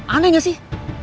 aneh gak sih